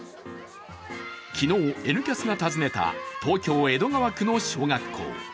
昨日、「Ｎキャス」が訪ねた東京・江戸川区の小学校。